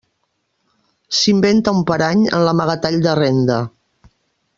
S'inventa un parany en l'amagatall de Renda.